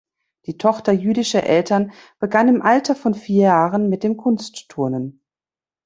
Die Tochter jüdischer Eltern begann im Alter von vier Jahren mit dem Kunstturnen.